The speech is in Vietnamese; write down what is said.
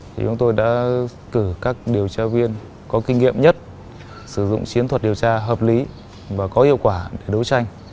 thì chúng tôi đã cử các điều tra viên có kinh nghiệm nhất sử dụng chiến thuật điều tra hợp lý và có hiệu quả để đấu tranh